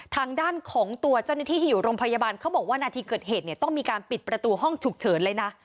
ทางด้านของตัวเจ้าหน้าที่ที่อยู่โรงพยาบาลเขาบอกว่านาทีเกิดเหตุเนี่ยต้องมีการปิดประตูห้องฉุกเฉินเลยนะ